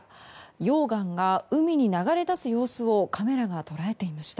溶岩が海に流れ出す様子をカメラが捉えていました。